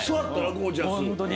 ゴー☆ジャス。